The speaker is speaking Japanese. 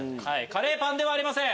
カレーパンではありません。